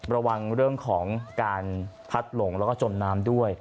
ระวังเรื่องของการพัดหลงแล้วก็จมน้ำด้วย